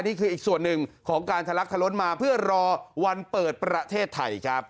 นี่คืออีกส่วนหนึ่งของการทะลักทะล้นมาเพื่อรอวันเปิดประเทศไทยครับ